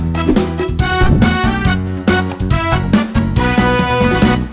โปรดติดตามตอนต่อไป